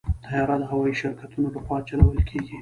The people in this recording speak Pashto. طیاره د هوايي شرکتونو لخوا چلول کېږي.